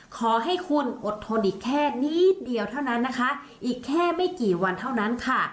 ขอให้คุณอดทนอีกแค่นิดเดียวเท่านั้นนะคะอีกแค่ไม่กี่วันเท่านั้นค่ะ